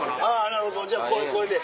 なるほどじゃあこれで。